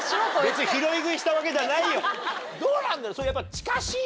別に拾い食いしたわけじゃないよ。どうなんだろう？